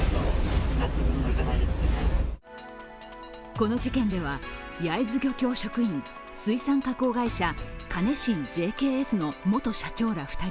この事件では焼津漁協職員、水産加工会社、カネシンＪＫＳの元社長ら２人。